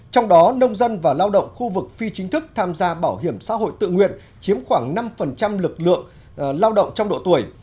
trong đó nông dân và lao động khu vực phi chính thức tham gia bảo hiểm xã hội tự nguyện chiếm khoảng năm lực lượng lao động trong độ tuổi